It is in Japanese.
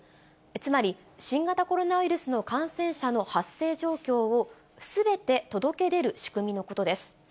つまり、新型コロナウイルスの感染者の発生状況を、すべて届け出る仕組みのことです。